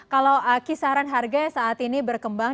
kalau kisaran harga saat ini berkembang